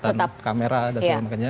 peralatan kamera dan sebagainya